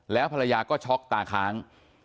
แล้วภรรยาก็ช็อกตาค้าง